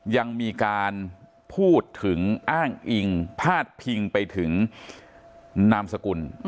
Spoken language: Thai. ยังมีการพูดถึงอ้างอิงพาดพิงไปถึงนามสกุล